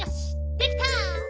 できた！